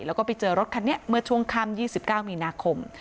แล้วก็ไปเจอรถคันนี้เมื่อช่วงค่ำ๒๙มีนาคม